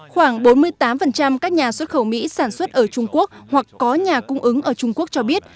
khoảng bốn mươi tám các nhà xuất khẩu mỹ sản xuất ở trung quốc hoặc có nhà cung ứng ở trung quốc cho biết